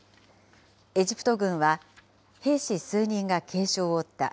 エジプト軍は、兵士数人が軽傷を負った。